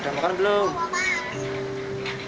udah makan belum